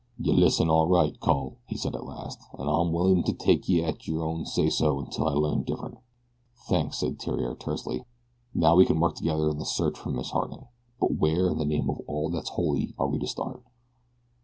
"Yeh listen all right, cul," he said at last; "an' I'm willin' to take yeh at yer own say so until I learn different." "Thanks," said Theriere tersely. "Now we can work together in the search for Miss Harding; but where, in the name of all that's holy, are we to start?"